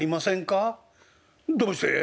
「どうして？